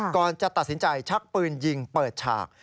ก่อนจะตัดสินใจชักปืนยิงเปิดฉาก